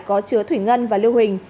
có chứa thủy ngân và lưu hình